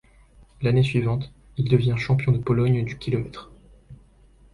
L'année suivante, il devient champion de Pologne du kilomètre.